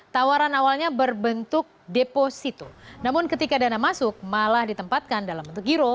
tawaran awalnya berbentuk deposito namun ketika dana masuk malah ditempatkan dalam bentuk giro